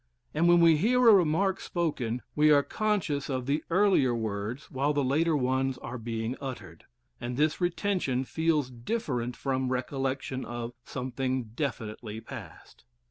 And when we hear a remark spoken, we are conscious of the earlier words while the later ones are being uttered, and this retention feels different from recollection of something definitely past.